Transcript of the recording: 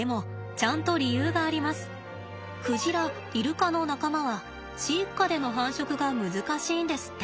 クジライルカの仲間は飼育下での繁殖が難しいんですって。